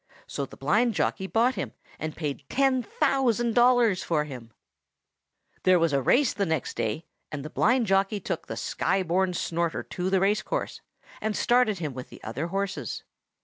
So the blind jockey bought him, and paid ten thousand dollars for him. "'Me's him,' said the rocking horse." There was a race the next day, and the blind jockey took the Sky born Snorter to the race course, and started him with the other horses.